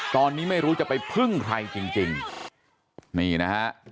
ตอนนี้ไม่รู้จะไปพึ่งใครจริงจริงนี่นะฮะ